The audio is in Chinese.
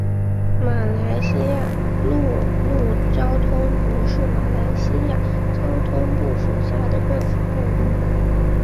马来西亚陆路交通局是马来西亚交通部属下的政府部门。